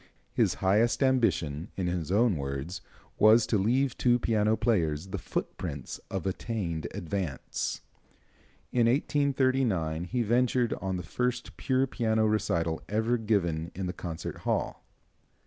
His highest ambition, in his own words, was "to leave to piano players the foot prints of attained advance." In 1839 he ventured on the first pure piano recital ever given in the concert hall.